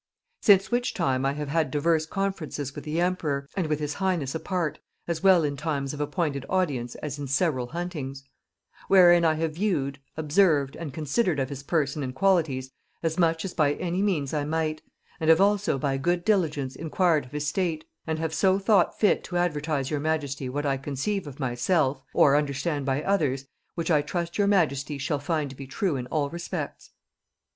Since which time I have had diverse conferences with the emperor, and with his highness apart, as well in times of appointed audience as in several huntings; wherein I have viewed, observed, and considered of his person and qualities as much as by any means I might; and have also by good diligence enquired of his state; and so have thought fit to advertise your majesty what I conceive of myself, or understand by others, which I trust your majesty shall find to be true in all respects.